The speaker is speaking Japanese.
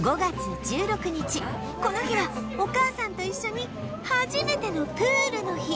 この日はお母さんと一緒に初めてのプールの日